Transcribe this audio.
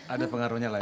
ada pengaruhnya lah ya